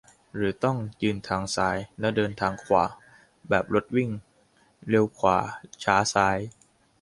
หรือต้อง ยืนทางซ้าย แล้วเดินทางขวา ? แบบรถวิ่ง เร็วขวา-ช้าซ้าย ?